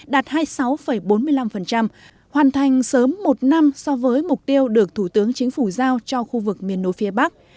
đạt hai mươi sáu bốn mươi năm hoàn thành sớm một năm so với mục tiêu được thủ tướng chính phủ giao cho khu vực miền núi phía bắc